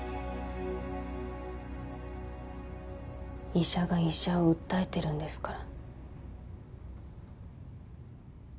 医者が医者を訴えてるんですから。